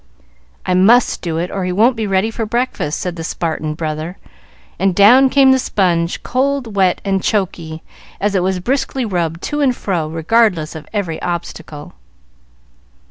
"I must do it, or he won't be ready for breakfast," said the Spartan brother, and down came the sponge, cold, wet, and choky, as it was briskly rubbed to and fro regardless of every obstacle.